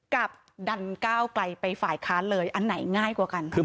กับดันก้าวไกลไปฝ่ายค้านเลยอันไหนง่ายกว่ากัน